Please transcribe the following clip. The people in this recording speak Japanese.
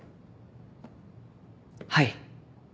はい。